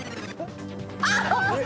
あっ！